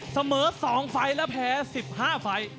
เสมอ๒ไฟล์และแพ้๑๕ไฟล์